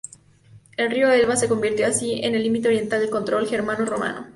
El río Elba se convirtió así en el límite oriental del control germano-romano.